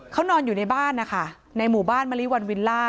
เขานอนอยู่ในบ้านนะคะในหมู่บ้านมะลิวันวิลล่า